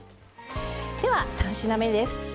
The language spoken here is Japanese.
では３品目です。